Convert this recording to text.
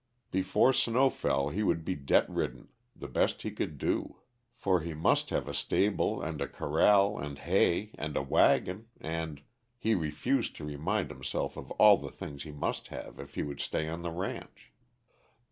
Before snow fell he would be debt ridden, the best he could do. For he must have a stable, and corral, and hay, and a wagon, and he refused to remind himself of all the things he must have if he would stay on the ranch.